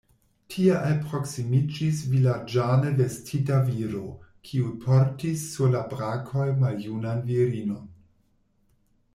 Tie alproksimiĝis vilaĝane vestita viro, kiu portis sur la brakoj maljunan virinon.